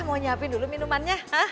mau nyiapin dulu minumannya